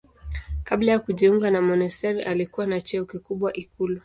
Kabla ya kujiunga na monasteri alikuwa na cheo kikubwa ikulu.